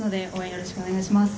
よろしくお願いします。